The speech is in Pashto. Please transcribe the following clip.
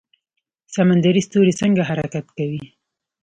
سمندري ستوری څنګه حرکت کوي؟